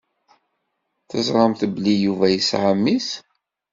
Teẓṛamt belli Yuba yesɛa mmi-s?